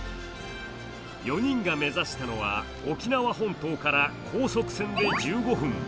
４人が目指したのは沖縄本島から高速船で１５分。